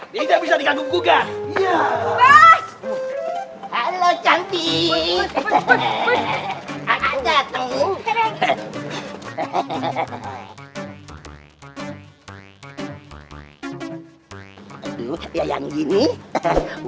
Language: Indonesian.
tidak bisa diganggu ganggu